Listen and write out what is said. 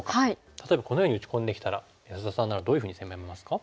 例えばこのように打ち込んできたら安田さんならどういうふうに攻めますか？